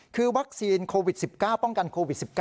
คือวัคซีนโควิด๑๙ป้องกันโควิด๑๙